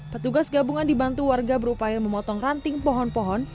petugas gabungan dibantu warga berupaya memotong ranting pohon pohon